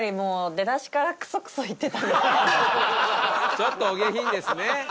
「ちょっとお下品ですね」